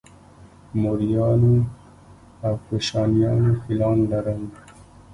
موریانو او کوشانیانو فیلان لرل